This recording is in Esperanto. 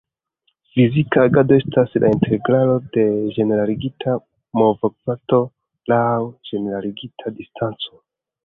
Fizika agado estas la integralo de ĝeneraligita movokvanto laŭ ĝeneraligita distanco.